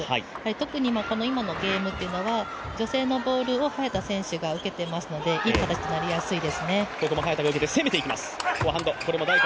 特に今のゲームというのは女性のボールを早田選手が受けていますのでいい形となりやすいですね。